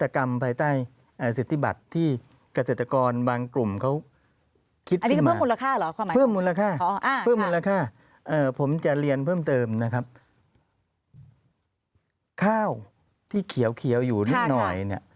ข้าวที่เขียวอยู่นิดหน่อย